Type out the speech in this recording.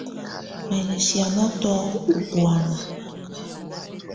Mɛ lɛ sianatɔ u bùána.